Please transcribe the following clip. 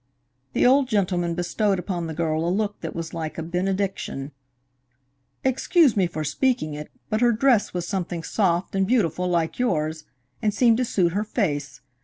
The old gentleman bestowed upon the girl a look that was like a benediction. "Excuse me for speaking of it, but her dress was something soft and beautiful, like yours, and seemed to suit her face.